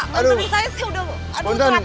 bantuin saya sih udah aduh telat banget